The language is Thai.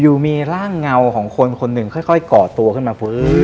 อยู่มีร่างเงาของคนคนหนึ่งค่อยก่อตัวขึ้นมาฟื้น